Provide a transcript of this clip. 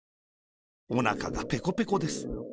おなかがペコペコです。